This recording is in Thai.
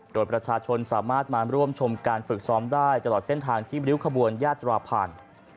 โดยประชาชนสามารถมาร่วมชมการฝึกซ้อมได้ตลอดเส้นทางที่ริ้วขบวนยาตราผ่าน